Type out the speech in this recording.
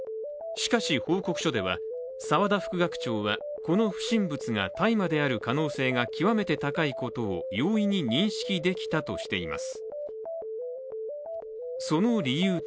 しかし、報告書では、澤田副学長は、この不審物が大麻である可能性が極めて高いことを容易に認識できたとしています。